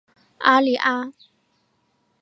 阿利阿。